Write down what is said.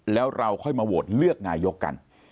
แล้วเราค่อยมาโหวตเลือกนายกกัน